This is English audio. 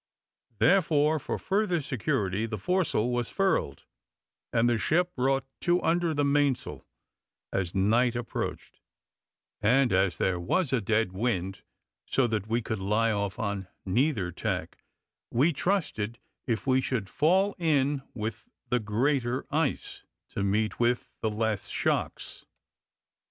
Therefore, for further security, the fore sail was furled, and the ship brought to under the main sail, as night approached, and as there was a dead wind, so that we could lie off on neither tack, we trusted if we should fall in with the greater ice, to meet with the less shocks.